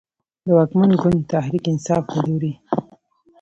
د واکمن ګوند تحریک انصاف له لورې